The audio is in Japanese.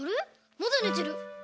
まだねてる。